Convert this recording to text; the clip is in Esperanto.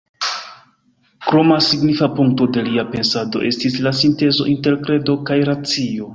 Kroma signifa punkto de lia pensado estis la sintezo inter kredo kaj racio.